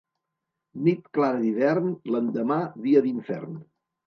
Nit clara d'hivern, l'endemà dia d'infern.